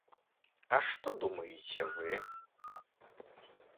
А што думаеце вы?